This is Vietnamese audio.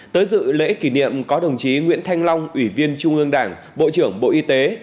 tới dự lễ kỷ niệm có đồng chí nguyễn thanh long ủy viên trung ương đảng bộ trưởng bộ y tế